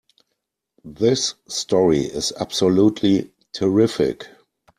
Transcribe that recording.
This story is absolutely terrific!